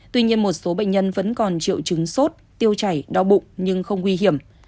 tuy nhiên một số bệnh nhân vẫn còn triệu chứng sốt tiêu chảy đau bụng nhưng không nguy hiểm